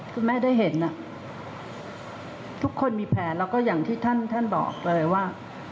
คุณแม่ได้เห็นทุกคนมีแผนแล้วก็อย่างที่ท่านบอกเลยว่า